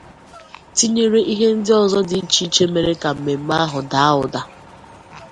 tinyere ihe ndị ọzọ dị iche iche mere ka mmemme ahụ dàà ụdà.